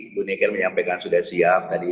ibu nikir menyampaikan sudah siap tadi